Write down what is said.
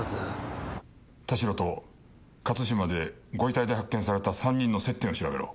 田代と勝島でご遺体で発見された３人の接点を調べろ。